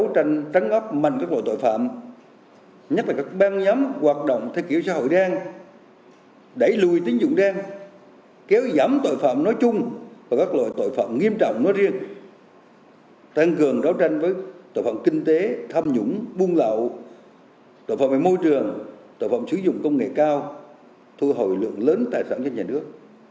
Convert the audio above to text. tăng cường đấu tranh với tội phạm kinh tế tham nhũng buôn lậu tội phạm môi trường tội phạm sử dụng công nghệ cao thu hồi lượng lớn tài sản cho nhà nước